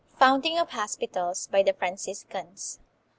Founding of Hospitals by the Franciscans.